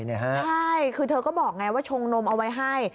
ใช่คือเธอก็บอกไงว่าชงนมเอาไว้ให้